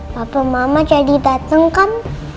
papa mama jadi dateng kan